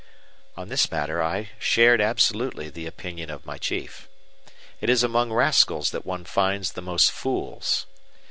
On this matter I shared absolutely the opinion of my chief. It is among rascals that one finds the most fools.